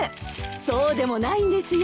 そうでもないんですよ。